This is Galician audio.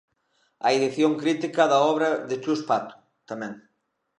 A edición crítica da obra de Chus Pato, tamén.